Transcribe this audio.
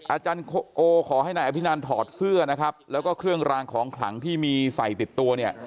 อาจารย์โอขอให้นายอภินันถอดเสื้อนะครับแล้วก็เครื่องรางของขลังที่มีใส่ติดตัวเนี่ย